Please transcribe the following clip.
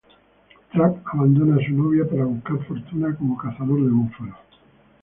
Trapp abandona a su novia para buscar fortuna como cazador de búfalos.